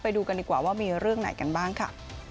ไปดูกันดีกว่าว่ามีเรื่องไหนกันบ้างค่ะ